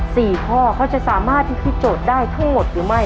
สี่ข้อเขาจะสามารถพิธีโจทย์ได้ทั้งหมดหรือไม่